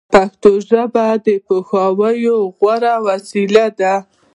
پښتو ژبه د پوهاوي غوره وسیله ده